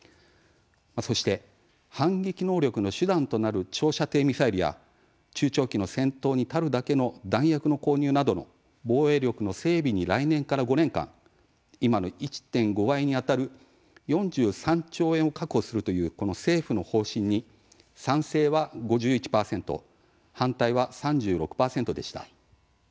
そして反撃能力の手段となる長射程ミサイルや中長期の戦闘に足るだけの弾薬の購入などの防衛力の整備に来年から５年間今の１．５倍にあたる４３兆円を確保するという政府の方針に賛成は５１％反対は３６％でした。